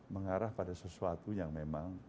mengarah pada sesuatu yang memang